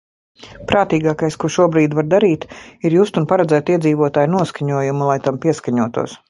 Prātīgākais, ko šobrīd var darīt, ir just un paredzēt iedzīvotāju noskaņojumu, lai tam pieskaņotos.